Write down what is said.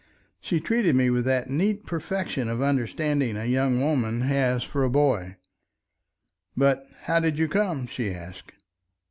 She treated me with that neat perfection of understanding a young woman has for a boy. "But how did you come?" she asked.